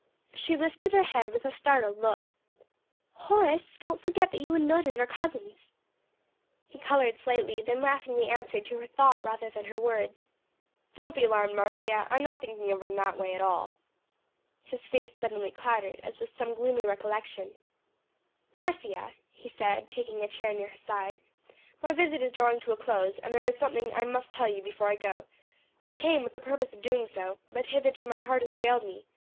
She lifted her head with a startled look. "Horace, don't forget that you and Mildred are cousins." He colored slightly, then laughingly answered to her thought rather than her words, "Don't be alarmed, Marcia; I'm not thinking of her in that way at all." His face suddenly clouded as with some gloomy recollection. "Marcia," he said, taking a chair near her side, "my visit is drawing to a close and there is something I must tell you before I go; I came with the purpose of doing so, but hitherto my heart has failed me.